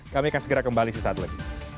kami akan segera kembali sesaat lagi